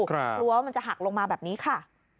กลัวว่ามันจะหักลงมาแบบนี้ค่ะ